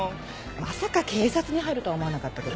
まさか警察に入るとは思わなかったけど。